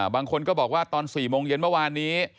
บางคนก็บอกว่าตอน๔โมงเย็นเมื่อวานนี้